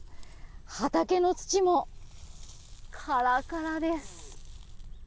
畑の土もカラカラです。